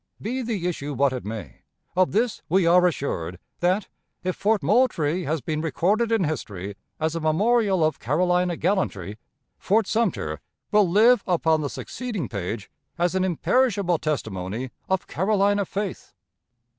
Be the issue what it may, of this we are assured, that, if Fort Moultrie has been recorded in history as a memorial of Carolina gallantry, Fort Sumter will live upon the succeeding page as an imperishable testimony of Carolina faith.